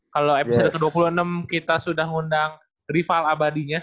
kalau episode ke dua puluh enam kita sudah undang rival abadinya